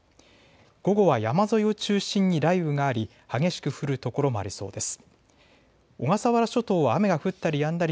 午後は山沿いを中心に雷雨があり激しく降る所もありそうです。